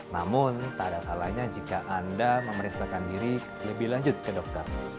namun tak ada salahnya jika anda memeriksakan diri lebih lanjut ke dokter